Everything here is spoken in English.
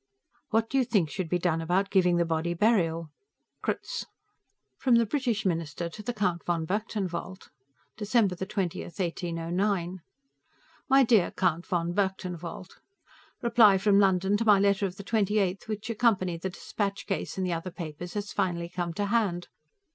What do you think should be done about giving the body burial? Krutz (From the British Minister, to the Count von Berchtenwald.) December 20th, 1809 My dear Count von Berchtenwald: Reply from London to my letter of the 28th, which accompanied the dispatch case and the other papers, has finally come to hand.